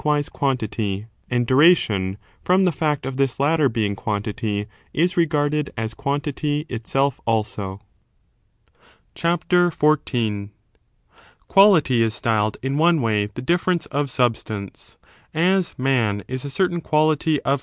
wise quantity, and duration,^ from the fact of this latter being quantity, is regarded as quantity itself also. CHAPTER XIV. 1 Four modes QUALITY^ is Styled in one way the difference of quality, of substancc ; as, man is a certain quality of guished."'"